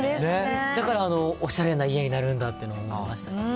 だからおしゃれな家になるんだって思いましたね。